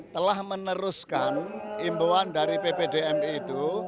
telah meneruskan imbauan dari pp dmi itu